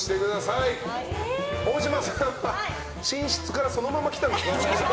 大島さん、寝室からそのまま来たんですか？